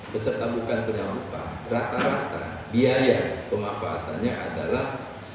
peserta bukan penerima upah rata rata biaya kemanfaatannya adalah satu ratus sembilan puluh